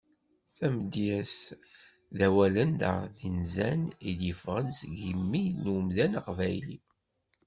Tamedyezt, d awalen neɣ d inzan i d-yeffɣen seg yimi n umdan aqbayli.